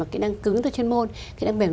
kỹ năng cứng kỹ năng chuyên môn kỹ năng bền